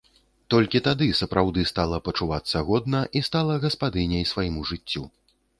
Толькі тады сапраўды стала пачувацца годна і стала гаспадыняй свайму жыццю.